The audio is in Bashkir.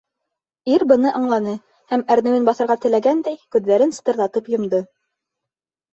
Ир быны аңланы һәм, әрнеүен баҫырға теләгәндәй, күҙҙәрен сытырҙатып йомдо.